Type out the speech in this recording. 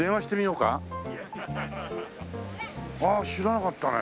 知らなかったね。